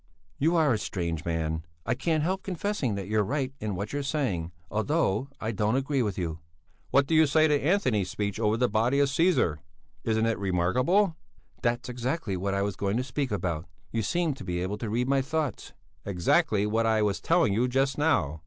"You are a strange man! I can't help confessing that you're right in what you're saying, although I don't agree with you." "What do you say to Anthony's speech over the body of Cæsar? Isn't it remarkable?" "That's exactly what I was going to speak about. You seem to be able to read my thoughts." "Exactly what I was telling you just now.